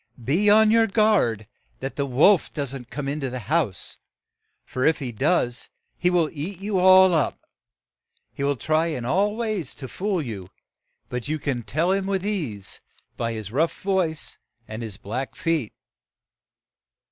Be on your guard that the wolf don't come in the house ; for if he does, he will eat you all up. He will try in all ways to fool you, but you can tell him with ease by his rough voice and his black feet."